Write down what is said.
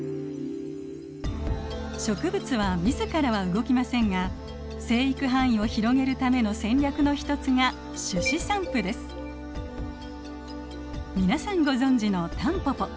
植物は自らは動きませんが生育範囲を広げるための戦略の一つが皆さんご存じのタンポポ。